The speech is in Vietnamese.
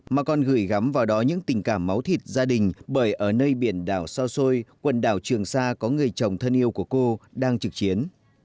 mà còn gửi gắm vào đó những tình cảm máu thịt gia đình bởi ở nơi biển đảo xa xôi quần đảo trường sa có người chồng thân yêu của cô đang trực chiến